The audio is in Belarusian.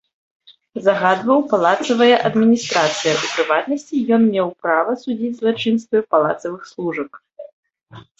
Загадваў палацавая адміністрацыя, у прыватнасці, ён меў права судзіць злачынствы палацавых служак.